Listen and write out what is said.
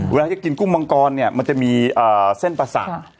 เวลาจะกินกุ้งมังกรเนี่ยมันจะมีเส้นประสาท